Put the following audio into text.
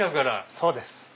そうです。